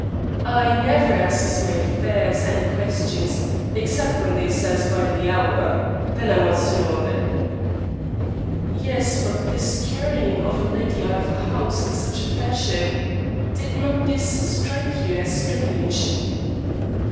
"I never axes my fares any questions 'cept when they says 'By the hour.' Then I wants to know a bit." "Yes; but this carrying of a lady out of a house in such fashion did not this strike you as strange?"